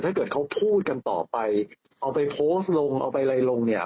ถ้าเกิดเขาพูดกันต่อไปเอาไปโพสต์ลงเอาไปอะไรลงเนี่ย